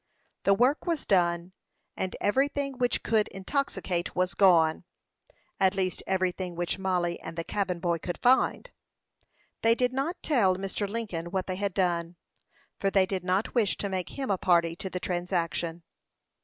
The work was done, and everything which could intoxicate was gone; at least everything which Mollie and the cabin boy could find. They did not tell Mr. Lincoln what they had done, for they did not wish to make him a party to the transaction.